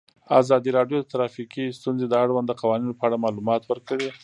ازادي راډیو د ټرافیکي ستونزې د اړونده قوانینو په اړه معلومات ورکړي.